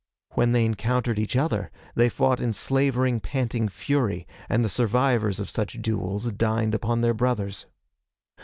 When they encountered each other they fought in slavering, panting fury, and the survivors of such duels dined upon their brothers.